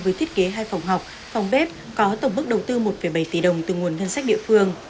với thiết kế hai phòng học phòng bếp có tổng mức đầu tư một bảy tỷ đồng từ nguồn ngân sách địa phương